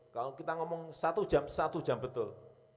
kalau kita ngomong satu jam satu jam betul